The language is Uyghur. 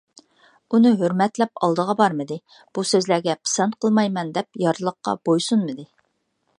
ئۇنى ھۆرمەتلەپ ئالدىغا بارمىدى، «بۇ سۆزلەرگە پىسەنت قىلمايمەن» دەپ يارلىققا بويسۇنمىدى.